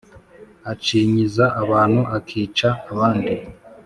acinyiza abantu akica abandi